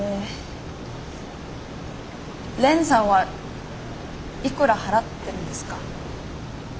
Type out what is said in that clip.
蓮さんはいくら払ってるんですか？